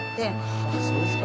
ああそうですか。